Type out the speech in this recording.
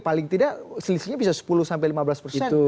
paling tidak selisihnya bisa sepuluh sampai lima belas persen itu